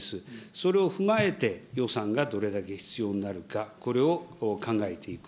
それを踏まえて予算がどれだけ必要になるか、これを考えていく。